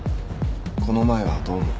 この前はどうも。